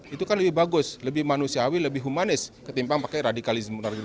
itu kan lebih bagus lebih manusiawi lebih humanis ketimbang pakai radikalisme